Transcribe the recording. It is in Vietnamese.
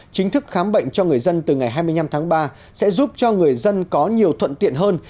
chính thức khám bệnh cho người dân từ ngày hai mươi năm tháng ba sẽ giúp cho người dân có nhiều thuận tiện hơn